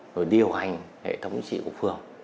và điều hành hệ thống trị của phương